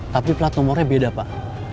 tapi plat nomornya beda pak